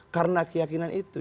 karena keyakinan itu